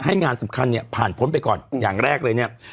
งานสำคัญเนี่ยผ่านพ้นไปก่อนอย่างแรกเลยเนี่ย